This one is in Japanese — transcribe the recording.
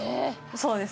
そうですね。